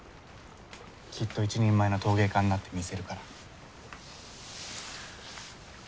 きっと一人前の陶芸家になってみせるから。